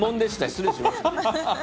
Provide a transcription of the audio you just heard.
失礼しました。